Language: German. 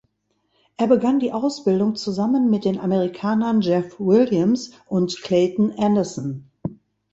Er begann die Ausbildung zusammen mit den Amerikanern Jeff Williams und Clayton Anderson.